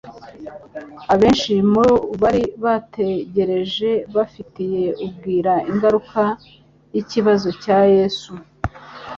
Abenshi mu bari bategereje, bafitiye ubwira ingaruka y'ikibazo cya Yesu,